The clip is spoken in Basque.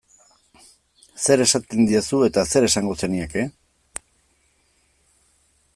Zer esaten diezu eta zer esango zenieke?